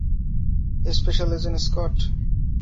Special agent Scott?